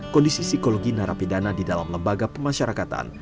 kondisi psikologi narapidana di dalam lembaga pemasyarakatan